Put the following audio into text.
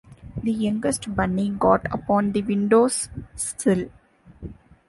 The youngest bunny got upon the window-sill.